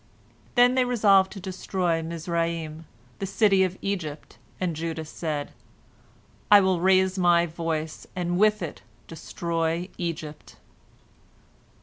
Then they resolved to destroy Mizraim, the city of Egypt, and Judah said, "I will raise my voice, and with it destroy Egypt."